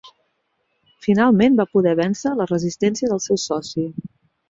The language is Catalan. Finalment, va poder vèncer la resistència del seu soci.